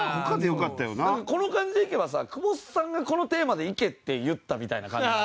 なんかこの感じでいけばさ久保田さんが「このテーマでいけ」って言ったみたいな感じ。